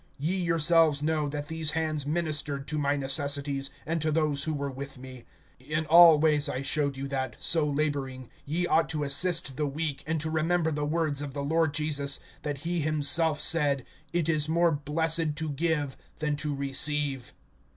(34)Ye yourselves know, that these hands ministered to my necessities, and to those who were with me. (35)In all ways I showed you that, so laboring, ye ought to assist the weak, and to remember the words of the Lord Jesus, that he himself said: It is more blessed to give than to receive.